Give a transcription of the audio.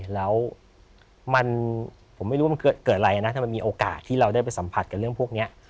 แล้วผมไม่รู้ว่ามันเกิดอะไรนะถ้ามันมีโอกาสที่เราได้ไปสัมผัสกับเรื่องพวกนี้